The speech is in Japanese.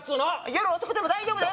夜遅くても大丈夫です